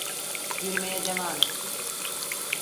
Yürümeye devam et.